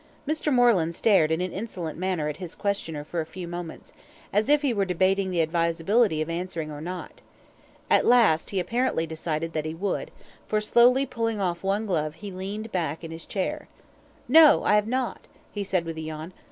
Mr. Moreland stared in an insolent manner at his questioner for a few moments, as if he were debating the advisability of answering or not. At last he apparently decided that he would, for slowly pulling off one glove he leaned back in his chair. "No, I have not," he said with a yawn.